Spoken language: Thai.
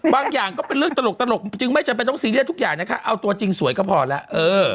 บางอย่างก็เป็นเรื่องตลกจึงไม่จำเป็นต้องซีเรียสทุกอย่างนะคะเอาตัวจริงสวยก็พอแล้ว